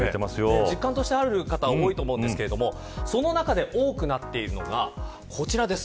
実感としてある方多いと思うんですがその中で多くなっているのがこちらです。